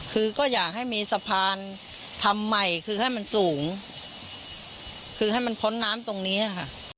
คือก็อยากให้มีสะพานทำใหม่คือให้มันสูงคือให้มันพ้นน้ำตรงนี้ค่ะ